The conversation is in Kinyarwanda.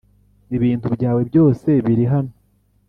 ibintu byawe byose biri hano.